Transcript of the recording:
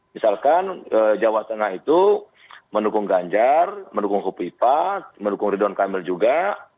misalkan jawa tengah itu mendukung ganjar mendukung kopipa mendukung ridwan kamil juga